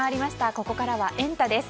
ここからはエンタ！です。